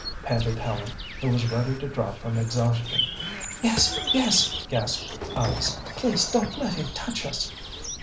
panted Helen, who was ready to drop from exhaustion. "Yes! yes!" gasped Alice. "Please don't let him touch us!"